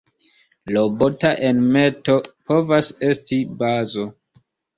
Robota enmeto povas esti bazo.